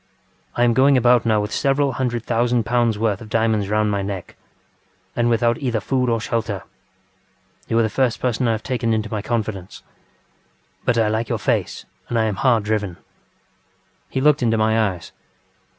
I am going about now with several hundred thousand pounds worth of diamonds round my neck, and without either food or shelter. You are the first person I have taken into my confidence. But I like your face and I am hard driven. ŌĆØ He looked into my eyes.